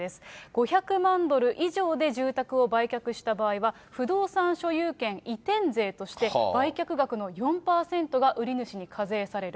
５００万ドル以上で住宅を売却した場合は、不動産所有権移転税として、売却額の４％が売り主に課税される。